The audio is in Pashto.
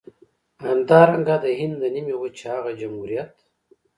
همدارنګه د هند د نيمې وچې هغه جمهوريت.